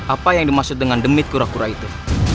apa yang dimaksud dengan demit kura kura itu